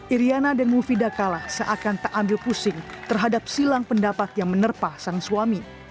iryana dan mufidakala seakan tak ambil pusing terhadap silang pendapat yang menerpa sang suami